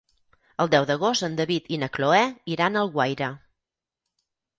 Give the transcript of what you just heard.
El deu d'agost en David i na Cloè iran a Alguaire.